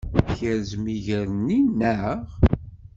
Tkerzem iger-nni, naɣ?